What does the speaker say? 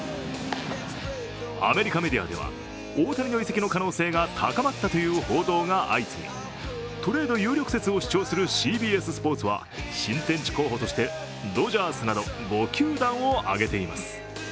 アメリカメディアでは大谷の移籍の可能性が高まったという報道が相次ぎトレード有力説を主張するＣＢＳスポーツは新天地候補としてドジャースなど５球団を挙げています。